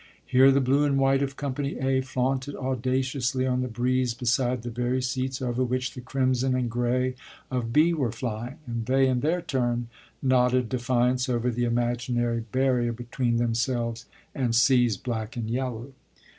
Here the blue and white of company "A" flaunted audaciously on the breeze beside the very seats over which the crimson and gray of "B" were flying and they in their turn nodded defiance over the imaginary barrier between themselves and "C's" black and yellow.